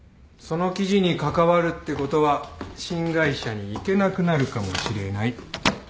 その記事に関わるってことは新会社に行けなくなるかもしれない。